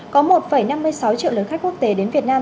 có một năm mươi sáu triệu lượt khách quốc tế đến việt nam